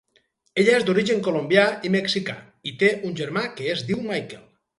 Ella és d'origen colombià i mexicà, i té un germà que es diu Michael.